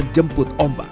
siap menjemput ombak